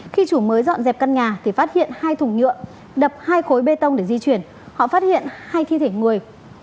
khi chủ mới dọn dẹp căn nhà thì phát hiện hai thùng nhựa đập hai khối bê tông để di chuyển họ phát hiện hai thi thể người